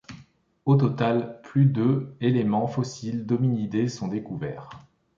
Au total, plus de éléments fossiles d'hominidés sont découverts.